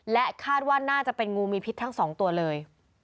และคาดว่าน่าจะเป็นงูมีพิษทั้งสองตัวเลย